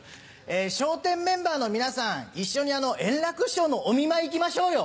笑点メンバーの皆さん一緒に円楽師匠のお見舞い行きましょうよ。